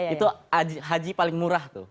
itu haji paling murah tuh